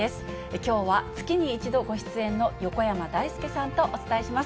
きょうは月に１度ご出演の横山だいすけさんとお伝えします。